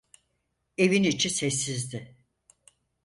Evin içi sessizdi.